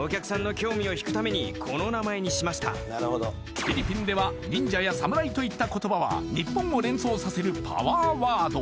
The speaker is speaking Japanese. フィリピンでは忍者や侍といった言葉は日本を連想させるパワーワード